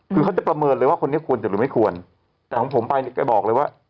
ควรจะหรือไม่ควรผมไปบอกเลยว่า